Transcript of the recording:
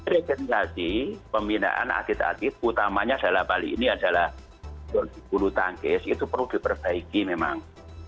regenerasi pembinaan aktiv aktiv utamanya di jalan bali ini adalah dua puluh tangkis itu perlu diperbaiki memang